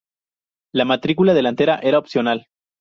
La matrícula delantera era opcional.